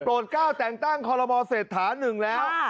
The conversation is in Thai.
โปรด๙แต่งตั้งคเศรษฐ๑แล้ว